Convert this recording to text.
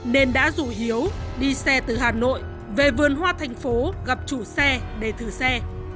nên đã rủ hiếu đi xe từ hà nội về vườn hoa thành phố gặp chủ xe để thử xe